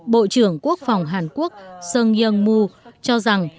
bộ trưởng quốc phòng hàn quốc song yong mu cho rằng